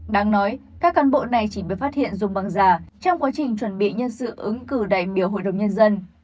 đáng nói các cán bộ này chỉ bị phát hiện dùng bằng già trong quá trình chuẩn bị nhân sự ứng cử đại biểu hội đồng nhân dân